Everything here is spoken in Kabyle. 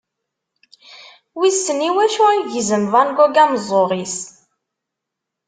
Wissen i wacu i yegzem Van Gogh ameẓẓuɣ-is.